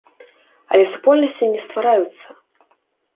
Але супольнасці не ствараюцца!